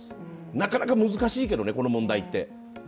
なかなか難しいけどね、この問題って。